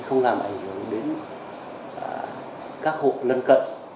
không làm ảnh hưởng đến các hộ lân cận